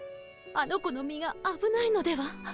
あの子の身があぶないのでは？